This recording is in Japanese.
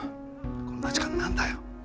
こんな時間に何だよ。